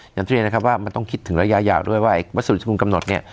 อย่างที่เรียนนะครับว่ามันต้องคิดถึงระยะยาวด้วยว่าไอ้วัสดุชภูมิกำหนดเนี่ย